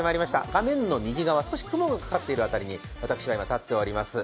画面の右側、雲がかかっている辺りに私立っております。